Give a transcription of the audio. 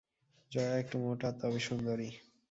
জয়া একটু মোটা, তবে সুন্দরী।